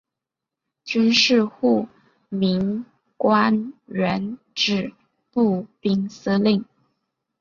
军事护民官原指步兵司令。